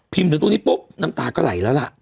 ถึงตรงนี้ปุ๊บน้ำตาก็ไหลแล้วล่ะ